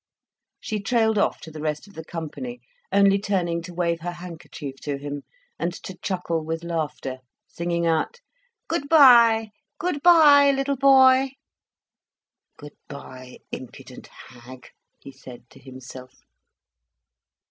She trailed off to the rest of the company, only turning to wave her handkerchief to him, and to chuckle with laughter, singing out: "Good bye, good bye, little boy." "Good bye, impudent hag," he said to himself.